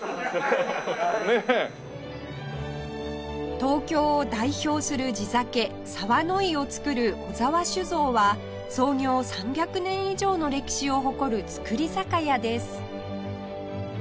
東京を代表する地酒澤乃井を造る小澤酒造は創業３００年以上の歴史を誇る造り酒屋です